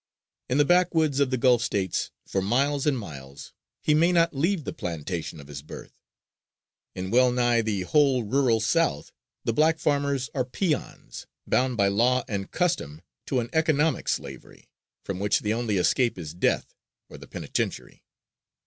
In the backwoods of the Gulf States, for miles and miles, he may not leave the plantation of his birth; in well nigh the whole rural South the black farmers are peons, bound by law and custom to an economic slavery, from which the only escape is death or the penitentiary.